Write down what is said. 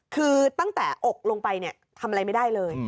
คือตั้งแต่อกลงไปเนี่ยทำอะไรไม่ได้เลย